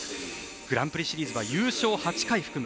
グランプリシリーズは優勝８回含む